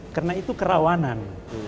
karena itu kerawanan